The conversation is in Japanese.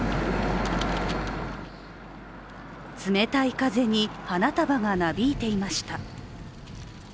冷たい風に花束がなびいていました。